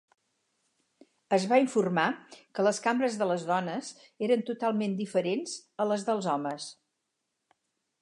Es va informar que les cambres de les dones eren "totalment diferents" a les dels homes.